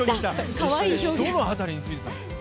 どの辺りについてたんですか。